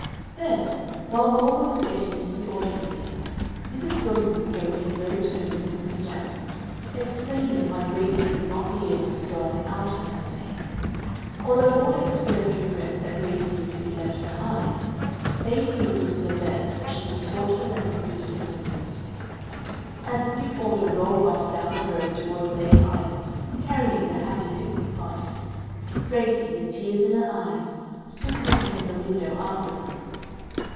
Then, while Norma was getting into the automobile, Mrs. Wilson spoke in low tones to Mrs. Jackson, explaining why Gracie would not be able to go on the outing that day. Although all expressed regrets that Gracie was to be left behind, they knew it was for the best that she be taught a lesson through disappointment. As the big auto rolled off down the road toward Blake Island, carrying the happy picnic party, Gracie, with tears in her eyes, stood looking from the window after them.